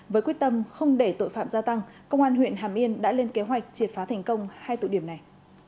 với quyết tâm không để tội phạm gia tăng công an huyện hàm yên đã lên kế hoạch triệt phá thành công hai tụ điểm này